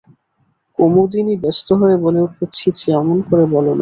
কুমুদিনী ব্যস্ত হয়ে বলে উঠল, ছি ছি, অমন করে বোলো না।